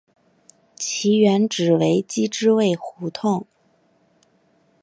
其原址为机织卫胡同。